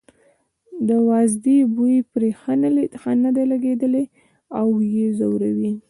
د وازدې بوی پرې ښه نه دی لګېدلی او یې ځوروي.